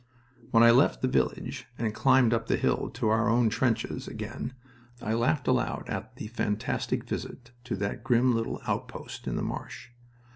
When I left the village, and climbed up the hill to our own trenches again, I laughed aloud at the fantastic visit to that grim little outpost in the marsh.